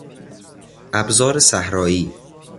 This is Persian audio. ابزار صحرایی